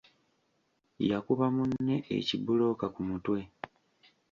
Yakuba munne ekibulooka ku mutwe.